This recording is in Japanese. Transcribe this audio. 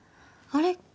あれ？